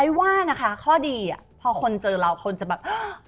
ว่านะคะข้อดีอ่ะพอคนเจอเราคนจะแบบ